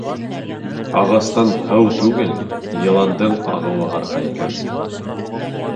Ағастан һыу түгел, йыландың ағыуы һарҡа икән.